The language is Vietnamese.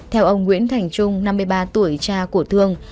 theo ông nguyễn thành trung năm mươi ba tuổi cha của thương